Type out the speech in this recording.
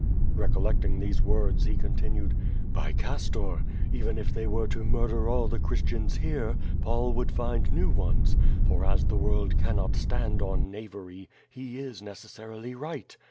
Recollecting these words he continued: "By Castor! even if they were to mur der all the Christians here, Paul would find new ones, for, as the world cannot stand on knavery, he is necessarily right.